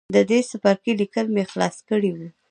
د دې څپرکي ليکل مې خلاص کړي وو.